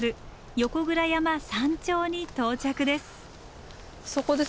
横倉山山頂に到着です。